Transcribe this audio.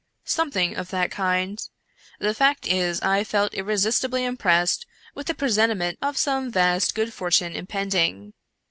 " Something of that kind. The fact is, I felt irresistibly impressed with a presentiment of some vast good fortune impending.